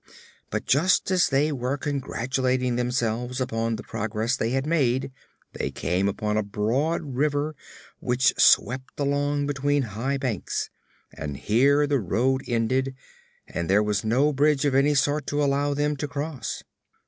But just as they were congratulating themselves upon the progress they had made they came upon a broad river which swept along between high banks, and here the road ended and there was no bridge of any sort to allow them to cross.